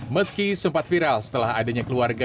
meski sempat viral setelah adanya keluarga